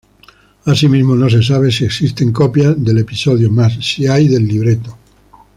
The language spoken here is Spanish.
Asimismo, no se sabe si existen copias del episodio, mas sí hay del libreto.